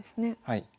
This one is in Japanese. はい。